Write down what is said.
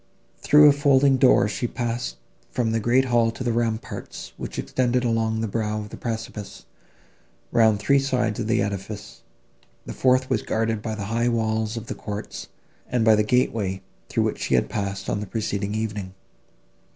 Through a folding door she passed from the great hall to the ramparts, which extended along the brow of the precipice, round three sides of the edifice; the fourth was guarded by the high walls of the courts, and by the gateway, through which she had passed, on the preceding evening.